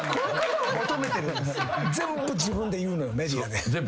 全部自分で言うのよメディアで。